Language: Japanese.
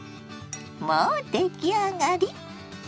もう出来上がり。